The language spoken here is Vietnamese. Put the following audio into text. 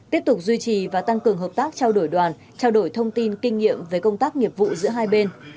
tiếp tục duy trì và tăng cường hợp tác trao đổi đoàn trao đổi thông tin kinh nghiệm về công tác nghiệp vụ giữa hai bên